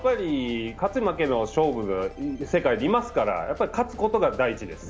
勝ち負けの世界にいますから、勝つことが大事です。